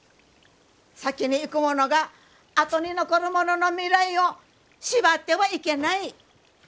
先に逝く者が後に残る者の未来を縛ってはいけない。